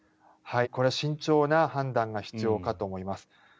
これは慎重な判断が必要かと思います。